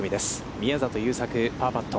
宮里優作、パーパット。